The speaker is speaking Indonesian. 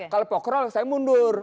kalau pokrol saya mundur